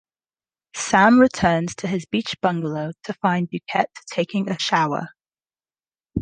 Sam returns to his beach bungalow to find Duquette taking a shower.